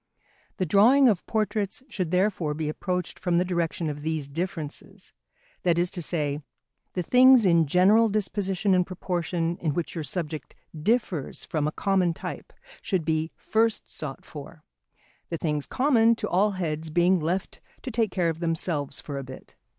The drawing of portraits should therefore be approached from the direction of these differences; that is to say, the things in general disposition and proportion in which your subject differs from a common type, should be first sought for, the things common to all heads being left to take care of themselves for a bit.